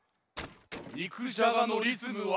にくじゃがのリズムは。